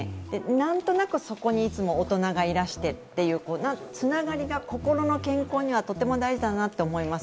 何となくそこにいつも大人がいらしてという、つながりが心の健康にはとても大事だなと思います。